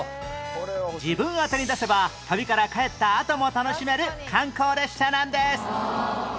自分宛に出せば旅から帰ったあとも楽しめる観光列車なんです